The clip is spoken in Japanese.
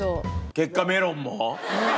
結果メロンも？